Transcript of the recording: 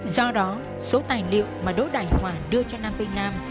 do đó số tài liệu mà đỗ đại hòa đưa cho nam tây nam